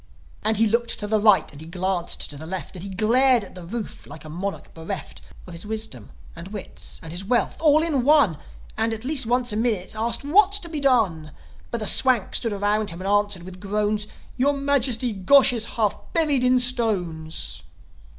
And he looked to the right, and he glanced to the left, And he glared at the roof like a monarch bereft Of his wisdom and wits and his wealth all in one; And, at least once a minute, asked, "What's to be done?" But the Swanks stood around him and answered, with groans, "Your majesty, Gosh is half buried in stones!"